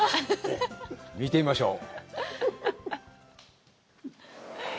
見てみましょう。